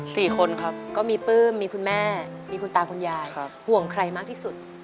สี่คนครับก็มีปลื้มมีคุณแม่มีคุณตาคุณยายครับห่วงใครมากที่สุด